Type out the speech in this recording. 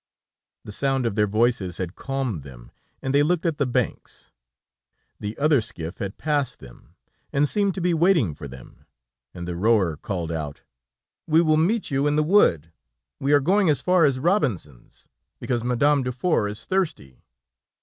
The sound of their voices had calmed them, and they looked at the banks. The other skiff had passed them, and seemed to be waiting for them, and the rower called out: "We will meet you in the wood; we are going as far as Robinson's because Madame Dufour is thirsty."